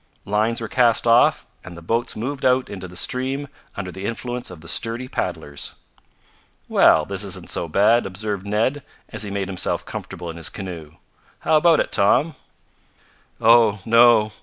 Lines were cast off and the boats moved out into the stream under the influence of the sturdy paddlers. "Well, this isn't so bad," observed Ned, as he made himself comfortable in his canoe. "How about it, Tom?" "Oh, no.